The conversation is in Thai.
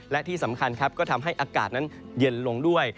และที่สำคัญครับก็ทำให้อากาศนั้นเย็นลงด้วย